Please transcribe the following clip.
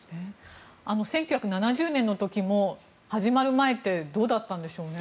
１９７０年の時も始まる前ってどうだったんでしょうね？